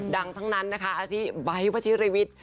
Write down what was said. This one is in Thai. ดังทั้งนั้นนะคะอาทิไบท์วัชิริวิทย์